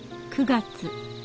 ９月。